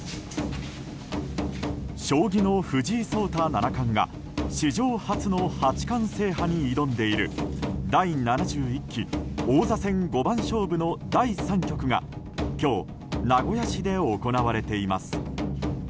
将棋の藤井聡太七冠が史上初の八冠制覇に挑んでいる第７１期王座戦五番勝負の第３局が今日、名古屋市で行われています。